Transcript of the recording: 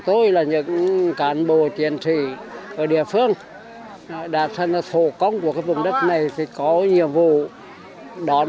tôi là những cán bộ chiến sĩ ở địa phương đã trả ra xô cong của các vùng đất này có nhiệm vụ đón